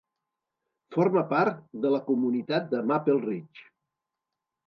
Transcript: Forma part de la Comunitat de Maple Ridge.